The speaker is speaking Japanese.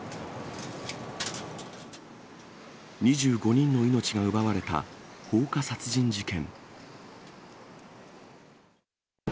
２５人の命が奪われた放火殺人事件。